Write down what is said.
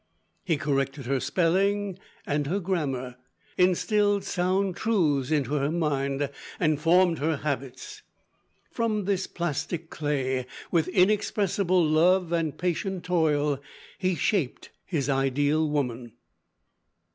He corrected her spelling and her grammar, instilled sound truths into her mind, and formed her habits. From this plastic clay, with inexpressible love and patient toil, he shaped his ideal woman.